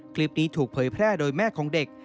คลิปนี้ถูกเผยแพร่โดยแม่ของเด็ก